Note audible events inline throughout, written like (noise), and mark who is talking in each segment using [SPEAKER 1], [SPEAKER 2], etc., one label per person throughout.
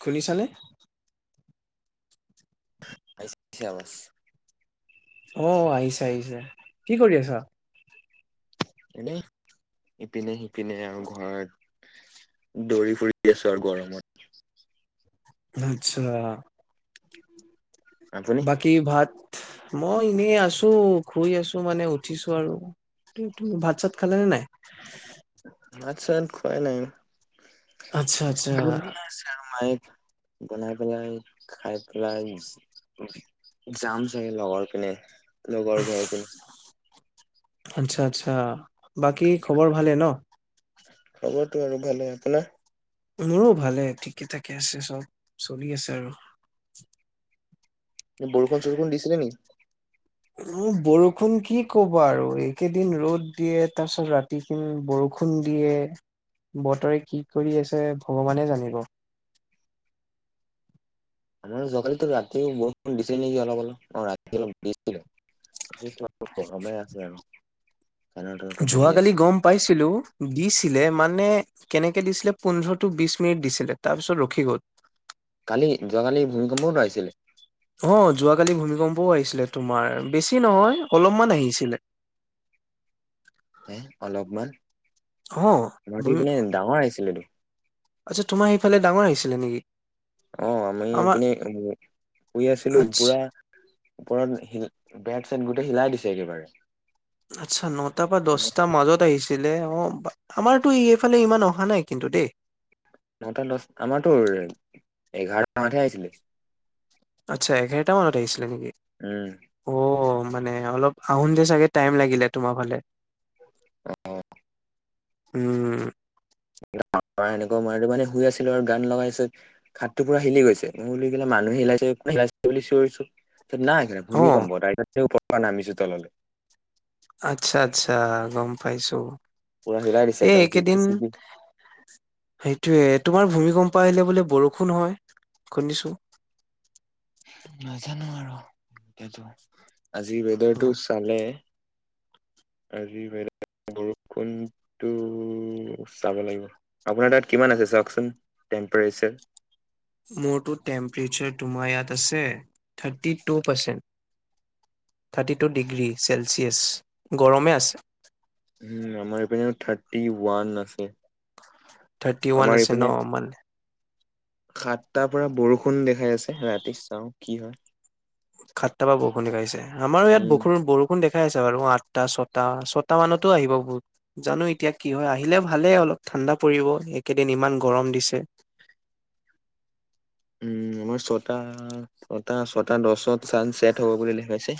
[SPEAKER 1] শুনিছানে?
[SPEAKER 2] আহিছে আৱাজ।
[SPEAKER 1] অহ আহিছে আহিছে কি কৰি আছা।
[SPEAKER 2] এনে ইপিনে সিপিনে। কিনো আৰু ঘৰৰত। দৌৰি ফুৰি আছো আৰু গৰমত।
[SPEAKER 1] আচ্ছা।
[SPEAKER 2] আপুনি
[SPEAKER 1] বাকী ভাত। মই এনেই আছো শুই আছো মানে উঠিছো আৰু ভাত চাত খালে নে নাই
[SPEAKER 2] আচ্ছা খুৱাই নাই
[SPEAKER 1] আচ্ছা আচ্ছা
[SPEAKER 2] বনাই আছে আৰু মায়ে বনাই পেলাই খাই পেলাই যাম চাগে লগৰ পিনে লগৰ ঘৰতে
[SPEAKER 1] আচ্ছা, আচ্ছা বাকী খবৰ ভালে ন
[SPEAKER 2] খবৰতো আৰু ভালে আপোনাৰ
[SPEAKER 1] মোৰ ভালে ঠিকে ঠাকে আছে চব চলি আছে আৰু
[SPEAKER 2] বৰষুণ চৰুষুন দিছিলে নি
[SPEAKER 1] উম বৰষুণ কি কবা আৰু এইকেইদিন ৰ'দ দিয়ে তাৰ পিছত ৰাতি চোন বৰষুণ দিয়ে বতৰে কি কৰি আছে ভগৱানে জানিব
[SPEAKER 2] আমাৰ যোৱাকালি টো ৰাতিয়ে বৰষুণ দিছে নেকি অলপ অলপ অ ৰাতি অলপ জি ক সময় আছ আৰু ফেনৰ তলতে বহি
[SPEAKER 1] যোৱাকালি
[SPEAKER 2] আছো
[SPEAKER 1] গম পাইছিলো দিছিলে মানে কেনেকে দিছিলে পোন্ধৰ টো বিশ মিনিট দিছিলে তাৰপিছত ৰখি গ'ল
[SPEAKER 2] কালি যোৱাকালি ভূমিকম্প আহিছিলে
[SPEAKER 1] অ যোৱাকালি ভূমিকম্পও আহিছিলে তোমাৰ বেছি নহয় অলপমান আহিছিলে
[SPEAKER 2] হ অলপমান
[SPEAKER 1] অ
[SPEAKER 2] মাটি
[SPEAKER 1] ভূমি
[SPEAKER 2] পিনে ডাঙৰ আহিছিলেটো
[SPEAKER 1] আচ্ছা তোমাৰ সেইফালে ডাঙৰ আহিছিলে নেকি
[SPEAKER 2] অ
[SPEAKER 1] আমাৰ
[SPEAKER 2] আমিপিনে শুই আছিলো
[SPEAKER 1] আচ্ছা
[SPEAKER 2] পুৰা ওপৰত ব মাটি গোটেই হিলাই দিছে একেবাৰে
[SPEAKER 1] আচ্ছা নটাৰ পৰা দছটাৰ মাজত আহিছিলে অ আমাৰতো এইফালে ইমান অহা নাই কিন্তু দেই
[SPEAKER 2] নটা দছ আমাৰতোৰ এঘাৰটা মানতহে আহিছিলে
[SPEAKER 1] আচ্ছা এঘাৰটা মানত আহিছে নেকি
[SPEAKER 2] উম
[SPEAKER 1] অ মানে অলপ আহোন তে চাগে টাইম লাগিলে তোমাৰ ফালে
[SPEAKER 2] অ
[SPEAKER 1] উম
[SPEAKER 2] এনেকুৱা মই মানে শুই আছিলো আৰু গান লগাইছে ঘাতটো পুৰা হিলি গৈছে মই কিলে মানুহে হিলাইছে হাইছে বুলি চিঞৰিছে নাই স
[SPEAKER 1] অ
[SPEAKER 2] ভুমিকম্প ব ত প নামিছো তললৈ
[SPEAKER 1] আচ্ছা আচ্ছা গম পাইছো
[SPEAKER 2] পুৰা হিলাই দিছে
[SPEAKER 1] এ
[SPEAKER 2] একদম
[SPEAKER 1] এই
[SPEAKER 2] খিৰিকি
[SPEAKER 1] কেইদিন
[SPEAKER 2] চিৰিকি
[SPEAKER 1] সেইটোয়ে তোমাৰ ভূমিকম্প প আহিলে বোলে বৰষুণ হয় শুনিছো
[SPEAKER 2] নাজানো আৰু এইটো আজি ৱেডাৰ টো
[SPEAKER 1] অ,
[SPEAKER 2] চালে আজি বাইদেউ বৰষুণটো চাব লাগিব, আপোনাৰ তাত কিমান আছে চাওঁকচোন টেম্পৰেচাৰ?
[SPEAKER 1] মোৰতো টেম্পৰেচাৰ তোমাৰ ইয়াত আছে thirty two percent thirty two degree Celsius গৰমে আছে।
[SPEAKER 2] উম, আমাৰ এইপানে থাৰ্টি ওৱান আছে।
[SPEAKER 1] থাৰ্টি
[SPEAKER 2] আমাৰ
[SPEAKER 1] ৱান আছে
[SPEAKER 2] এইপিনে
[SPEAKER 1] ন' অ', মান
[SPEAKER 2] সাতটাৰ পৰা বৰষুণ দেখাই আছে ৰাতি চাওঁ কি হয়।
[SPEAKER 1] সাতটা পৰা বৰষুণ দেখাইছে আমাৰ ইয়াত
[SPEAKER 2] উম
[SPEAKER 1] বৰষু বৰষুণ দেখাই আছে বাৰু আঠটা ছ ছটা ছটা মানতো আহিব বহুত জানো এতিয়া কি হয় আহিলে ভালেই অলপ ঠাণ্ডা পৰিব একেদিন ইমান গৰম দিছে।
[SPEAKER 2] উম, আমাৰ ছটা ছটা ছ তাৰ দছত ছান ছেট হ'ব বুলি দেখাইছে।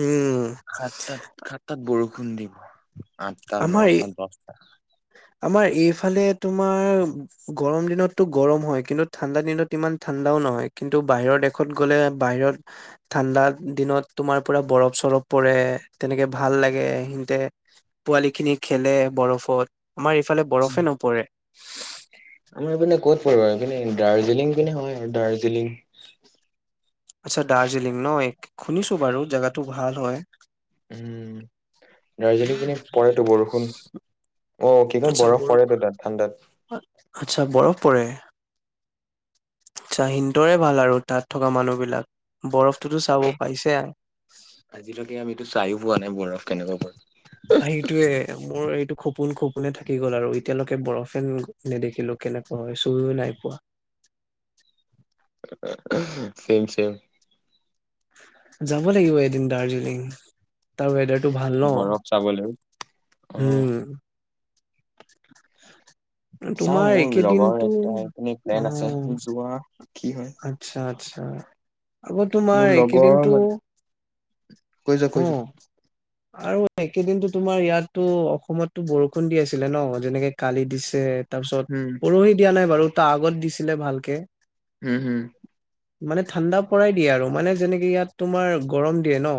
[SPEAKER 1] উম
[SPEAKER 2] সাতাত সাততাত বৰষুণ খুন্দিব আঠটা,
[SPEAKER 1] আমাৰ এই
[SPEAKER 2] নটা, দছটা
[SPEAKER 1] আমাৰ এইফালে তোমাৰ গৰম দিনতটো গৰম হয় কিন্তু ঠাণ্ডা দিনত ইমান ঠাণ্ডাও নহয় কিন্তু বাহিৰৰ দেশত গ'লে বাহিৰত ঠাণ্ডা দিনত তোমাৰ পুৰা বৰফ চৰফ পৰে তেনেকে ভাল লাগে সিহঁতে পোৱালি খিনি খেলে বৰফত আমাৰ ইফালে বৰফে নপৰে।
[SPEAKER 2] পাৰিব কিনে দাৰ্জিলিং কিনে হয় আৰু দাৰ্জিলিং
[SPEAKER 1] আচ্ছা দাৰ্জিলিং ন' শুনিছো বাৰু জেগাত টো ভাল হয়।
[SPEAKER 2] উম, দাৰ্জিলিং এনে পৰেটো বৰষুণ অ', কি কয় বৰফ পৰেটো তাত ঠাণ্ডাত।
[SPEAKER 1] আচ্ছা, বৰফ পৰে। আচ্ছা, হিনতৰে ভাল আৰু তাত থকা মানুহবিলাক।
[SPEAKER 2] তাকে আজিলৈকে আমিতো চাইও পোৱা নাই বৰফ। কেনেকব
[SPEAKER 1] ভাই সেইটোৱে মোৰ এইটো খুব সপোন খপোনে থাকি গ'ল আৰু এতিয়ালৈকে বৰফে নেদেখিলো কেনেকুৱা হয় চুইও নাই পোৱা।
[SPEAKER 2] চেম, চেম।
[SPEAKER 1] যাব লাগিব এদিন দাৰ্জিলিং। তাৰ ৱেডাৰটো ভাল
[SPEAKER 2] বৰফ চাবলৈ অ
[SPEAKER 1] ন' হম। (inaudible)
[SPEAKER 2] চাওঁ
[SPEAKER 1] তোমাৰ
[SPEAKER 2] মোৰ লগৰ
[SPEAKER 1] একেদিনটো
[SPEAKER 2] এটা এইি প্লেন আছে যোৱা। কি হয়
[SPEAKER 1] আত্ছা। আচ্ছা। আকৌ তোমাৰ
[SPEAKER 2] মোৰ লগৰ
[SPEAKER 1] এইকেইদিনটো
[SPEAKER 2] মান কৈ যোৱা, কৈ যোৱা।
[SPEAKER 1] আৰু সেকেইদিনো তোমাৰ ইয়াতো অসমতো বৰষুণ দি আছিলে ন' যেনেকে কালি দিছে। তাৰ পিছত
[SPEAKER 2] উম
[SPEAKER 1] পৰহি দিয়া নাই বাৰু। ত' আগত দিছিলে ভালকে।
[SPEAKER 2] উম হম
[SPEAKER 1] মানে ঠাণ্ডা পৰাই দিয়ে আৰু মানে যেনেকে ইয়াত তোমাৰ গৰম দিয়ে ন'।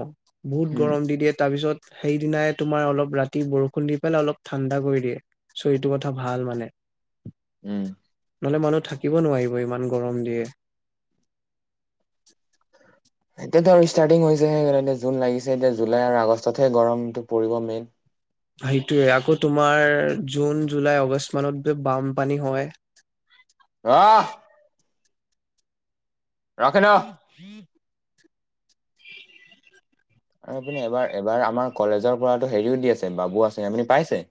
[SPEAKER 1] বহুত
[SPEAKER 2] উম
[SPEAKER 1] গৰম দি দিয়ে তাৰ পিছত সেইদিনাই তোমাৰ অলপ ৰাতি বৰষুণ দি পেলাই অলপ ঠাণ্ডা কৰি দিয়ে চৰিটোৰ কথা ভাল মানে।
[SPEAKER 2] উম।
[SPEAKER 1] নহ'লে মানুহ থাকিব নোৱাৰিব ইমান গৰম দিয়ে।
[SPEAKER 2] এতিয়াতো আৰু ষ্টাৰ্টিং হৈছেহে এতিয়া জুন লাগিছে এতিয়া জুলাই আৰু আগষ্টতহে গৰমটো পৰিব মেইন।
[SPEAKER 1] সেইটোৱে আকৌ তোমাৰ জুন, জুলাই, আগষ্ট মানত বানপানী হয়।
[SPEAKER 2] আহ। ৰাখে ন'। আৰু আপুনি এবাৰ এবাৰ আমাৰ কলেজৰ পৰাতো হেৰিও দি আছে বাবু আঁচনি, আপুনি পাইছে?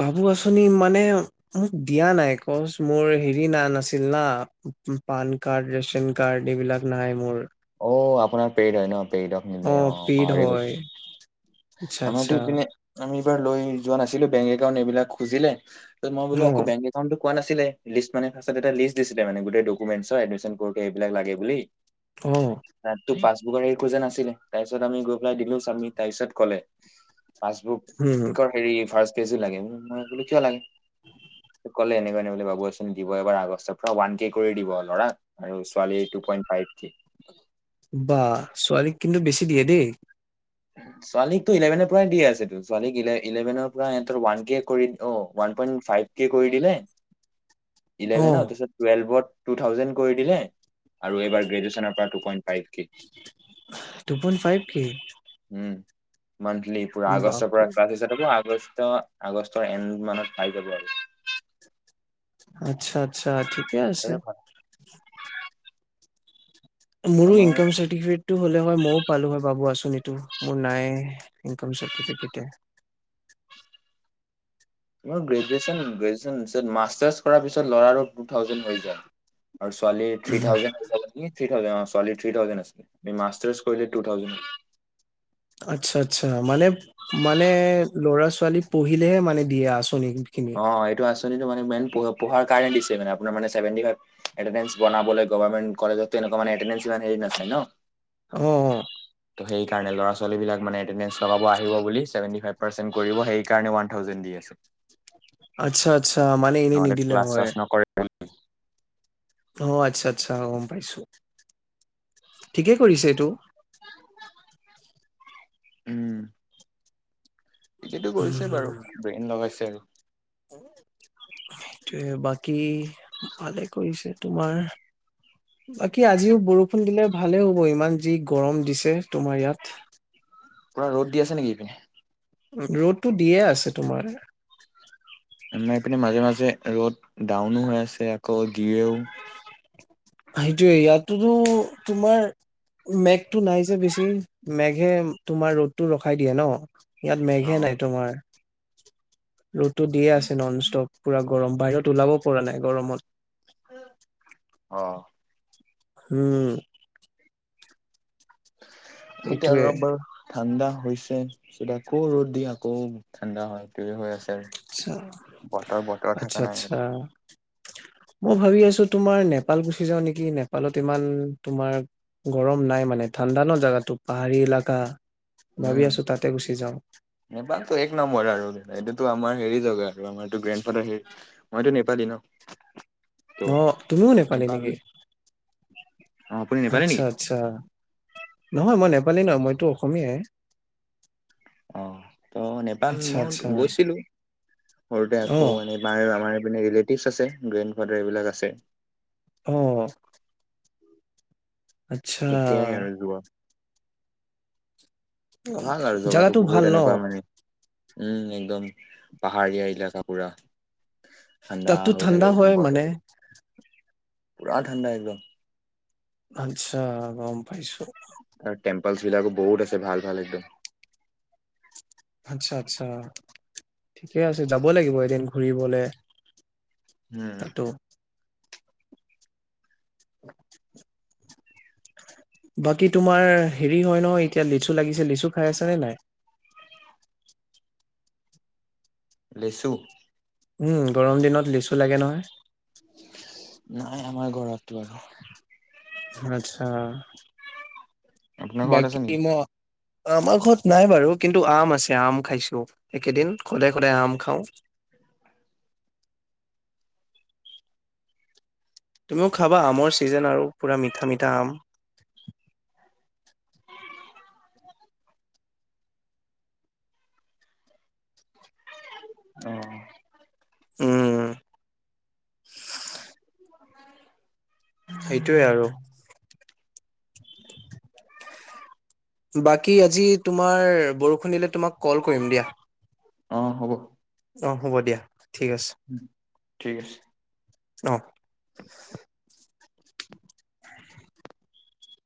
[SPEAKER 1] বাবু আচনি মানে মোক দিয়া নাই কচ মোৰ হেৰি ন নাছিল না পান কাৰ্ড ৰেচন কাৰ্ড এইবিলাক নাই মোৰ
[SPEAKER 2] অ', আপোনাৰ পেইড হয় ন'। পেইডক নিদিয়ে অ',
[SPEAKER 1] পেইড
[SPEAKER 2] পাহৰি
[SPEAKER 1] হয়
[SPEAKER 2] গৈছিল
[SPEAKER 1] আচ্ছা
[SPEAKER 2] আমাৰতো
[SPEAKER 1] আচ্ছা
[SPEAKER 2] ইপিনে আমি এইবাৰ লৈ যোৱা নাছিলো বেংক কাৰণ এইবিলাক খুজিলে ত' মই
[SPEAKER 1] অ
[SPEAKER 2] বোলো আকৌ বেং একাউণ্টটো কোৱা নাছিলে। লিষ্ট মানে ফাৰ্ষ্ট এটা লিষ্ট দিছিলে মানে গোটেই ডকুমেচৰ এডমিচন কৰতে এইবিলাক লাগে বুলি।
[SPEAKER 1] অ
[SPEAKER 2] না তো পাচ মোক হেৰি খোজা নাছিলে তাৰ পিছত আমি গৈ পেলাই দিলো চামি তাৰ পিছত ক'লে। পাছবুক
[SPEAKER 1] উম
[SPEAKER 2] হেৰি ফাৰ্ষ্ (unintelligible) কিয় লাগে ক'লে এনেকুৱা ন' বোলে বাবোন দিব এবাৰ আগষ্টৰ পৰা ৱান কে কৰি দিব ল'ৰাক আৰু ছোৱালী টু পইন্ট কে (inaudible)
[SPEAKER 1] বা ছোৱালীক কিন্তু বেছি দিয়ে দেই।
[SPEAKER 2] ছোৱালীকতো ইলেভেনৰ পৰাই দি আছে ছোৱালীক ইলেভেনৰ পৰাতৰ ৱান কে কৰি অ', ওৱান পইন্ট ফাইভ কে কৰি দিলে।
[SPEAKER 1] অ
[SPEAKER 2] ইলেভেন তাপিছত টুৱেল্ভত টু থাউজেণ্ড কৈ দিলে আৰু এইবাৰ্ গ্ৰেজুৱেচনৰ পৰা টোপইন
[SPEAKER 1] টু পইণ্ট ফাইভ কে?
[SPEAKER 2] উম। মান্থলি পুৰা
[SPEAKER 1] বা
[SPEAKER 2] আগষ্টৰ পৰা হাত হাজাৰ টকা আগষ্ট, আগষ্টৰ এড মানত পাই যাব আৰু।
[SPEAKER 1] আচ্ছা। আচ্ছা, ঠিকে আছে।
[SPEAKER 2] তাৰে ভাল
[SPEAKER 1] মোৰো
[SPEAKER 2] আমাৰ
[SPEAKER 1] ইনকাম চাৰ্টিফিকেট টো হ'লে হয় মইও পালোঁ হয় বাবু আচনিটো মোৰ নাই ইনকাম চাৰ্তিফিকেটে।
[SPEAKER 2] মোৰ গ্ৰেজুৱেচন গ্ৰেজুৱেচন পিছত মাষ্টাৰছ কৰাৰ পিছত ল'ৰাৰো টু থাউজেণ্ড হৈ যায়। আৰু ছোৱালী থ্ৰী থাউেণ্ড যে থ থাউজে ছোৱালীৰ থ্ৰী থাউজেণ্ড আছে মাষ্টাৰ্ছ কৰিলে টু থাউজেণ্ড হয়।
[SPEAKER 1] আচ্ছা আচ্ছা মানে মানে ল'ৰা ছোৱালী পঢ়িলেহে মানে দিয়ে আছো
[SPEAKER 2] অ এইটো আঁচনিতটো মানে যিমান পহে পঢাৰ কাৰণে দি মানে আপোনাৰ মানে চেভেন ফাইভ গভাৰ্মেন্ত কলেজত ন
[SPEAKER 1] অ অ
[SPEAKER 2] টো সেইকাৰণে লৰা ছোৱালী বিলাক মানে চলাব আহিব বুলি চেভেনটি ফাইভ কৰিব সেই কাৰণে ওবান থাউজেণ্ড দি আছে
[SPEAKER 1] আচ্ছা আচ্ছা মানে এনে
[SPEAKER 2] নহ'লে
[SPEAKER 1] নিদিলে
[SPEAKER 2] ক্লাছ
[SPEAKER 1] হয়
[SPEAKER 2] চাছ (inaudible)
[SPEAKER 1] অ আচ্ছা আচ্ছা গম পাইছো ঠিকে কৰিছে এইটো
[SPEAKER 2] উ উম এইটো কৰিছে বাৰু ব্ৰেইন লগাইছে আৰু
[SPEAKER 1] সেইটোৱয়ে বাকী ভালে কৰিছে তোমাৰ বাকী আজিও বৰষুণ দিলে ভালে হব ইমান যি গৰম দিছে তোমাৰ ইয়াত
[SPEAKER 2] পুৰা ৰ'দ দি আছে নেকি এইপিনে
[SPEAKER 1] ৰ'দটো দিয়ে আছে তোমাৰ
[SPEAKER 2] আমাৰ পিনে মাজে মাজে ৰ'দ ডাউনো হৈ আছে আকৌ দিয়য়ো
[SPEAKER 1] সেইটোয়ে ইয়াতোতো তোমাৰ মে টো নাই যে বেছি ম হে তোমাৰ ৰ'দতটো ৰখাই দিয়ে ন ইয়াত মেঘে
[SPEAKER 2] অ',
[SPEAKER 1] নাই তোমাৰ ৰ'দটো দিয়ে আছে নন ষ্টপ পুৰা গৰম বাহিৰত ওলাব পৰা নাই গৰমত
[SPEAKER 2] অ
[SPEAKER 1] হম
[SPEAKER 2] এতিয়া
[SPEAKER 1] সেইটোয়ে
[SPEAKER 2] ৰবৰ ঠাণ্ডা হৈছেিত আকৌ ৰ'দ দি আকৌ ঠাণ্ডা হয় ত হৈ আছে
[SPEAKER 1] আচ্ছা
[SPEAKER 2] বতৰ বতৰ
[SPEAKER 1] আচ্ছা
[SPEAKER 2] থকা নাই
[SPEAKER 1] আচ্ছা
[SPEAKER 2] আৰু
[SPEAKER 1] মই ভাবি আছো তোমাৰ নেপাল গুচি যাওঁ নেকি নেপালত ইমান তোমাৰ গৰম নাই মানে ঠাণ্ডা ন জেগাতো পাহাৰী এলেকাা
[SPEAKER 2] উম নেপালটো এক নম্বৰ আৰু এটোটোো আমাৰ হেৰি জগা আৰু আমাৰতো গ্ৰেণ্ড ফাদাৰ হে মইতো নেপালি ন ত'
[SPEAKER 1] ন তুমিও নেপালি
[SPEAKER 2] নেপাল
[SPEAKER 1] নেকি
[SPEAKER 2] অ' আপুনি নেপালী
[SPEAKER 1] আচ্ছা
[SPEAKER 2] নেকি?
[SPEAKER 1] আচ্ছা নহয় মই পালি ন মইতো অসমীয়া
[SPEAKER 2] অ ত নেপাল
[SPEAKER 1] আচ্ছা,
[SPEAKER 2] মই
[SPEAKER 1] আচ্ছা।
[SPEAKER 2] গৈছিলো সৰুতে আকৌ
[SPEAKER 1] অ',
[SPEAKER 2] এবাৰ আমাৰ ৰিলেটিভ আছে গ্ৰেণ্ড ফডাৰ এইবিলাক আছে
[SPEAKER 1] উম আচ্ছা
[SPEAKER 2] তেতিয়াই আৰু যোৱা ভাল আৰু
[SPEAKER 1] জেগাটো
[SPEAKER 2] বহুত
[SPEAKER 1] ভাল ন
[SPEAKER 2] এনেকুৱা মানে উম একদম পাহাৰীয়া এলেকা পুৰা ঠাণ্ডা
[SPEAKER 1] তাততো
[SPEAKER 2] হৈ
[SPEAKER 1] ঠাণ্ডা
[SPEAKER 2] থাকে
[SPEAKER 1] হয়
[SPEAKER 2] একদম
[SPEAKER 1] মানে?
[SPEAKER 2] বতৰ পুৰা ঠাণ্ডা একদম
[SPEAKER 1] আচ্ছা গম পাইছো
[SPEAKER 2] আৰু টেম্পলছ বিলাকো বহুত আছে ভাল ভাল একদম
[SPEAKER 1] আচ্ছা আচ্ছা ঠিকে আছে যাব লাগিব এদিন ঘুৰিবলে
[SPEAKER 2] উম
[SPEAKER 1] বাকী তোমাৰ হেৰি হয় ন এতিয়া লিচু লাগিছে লিচু খাই আছ নে নাই
[SPEAKER 2] লেছু
[SPEAKER 1] উম গৰম দিনত লিচু লাগে নহয়
[SPEAKER 2] নাই আমাৰ ঘৰতৰতটো বাৰু
[SPEAKER 1] আচ্ছা
[SPEAKER 2] আপোনাৰ ঘৰত আছে
[SPEAKER 1] বাকী
[SPEAKER 2] নেকি?
[SPEAKER 1] মই আমাৰ ঘৰত নাই বাৰু কিন্তু আম আছে আম খাইছো এই কেইদিন সদায় সদায় আম খাও তুমিও খাবা আমৰ চিজন আৰু পুৰা মিঠা মিঠা আম
[SPEAKER 2] অ
[SPEAKER 1] উম সেইটোৱে আৰু বাকী আজি তোমাৰ বৰষুণ দিলে তোমাক কল কৰিম দিয়া
[SPEAKER 2] অ হ'ব।
[SPEAKER 1] অ হ'ব দিয়া। ঠিক আছে
[SPEAKER 2] ঠিক আছে
[SPEAKER 1] অ অ